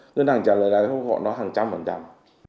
ngân hàng trả lời là lãi suất bốc họ nó hàng trăm phần trăm